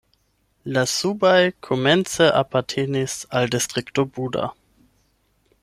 La subaj komence apartenis al Distrikto Buda.